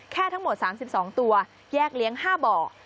แค่ทั้งหมด๓๒ตัวแยกเลี้ยง๕บ่อ